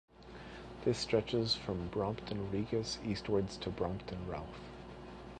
This stretches from "Brompton Regis" eastwards to Brompton Ralph.